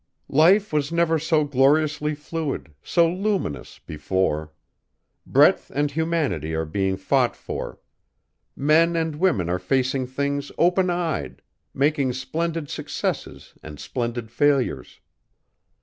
"Life was never so gloriously fluid so luminous before. Breadth and humanity are being fought for. Men and women are facing things open eyed, making splendid successes and splendid failures."